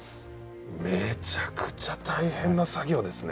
めちゃくちゃ大変な作業ですね。